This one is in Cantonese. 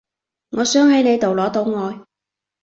我想喺你度攞到愛